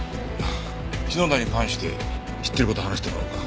篠田に関して知ってる事を話してもらおうか。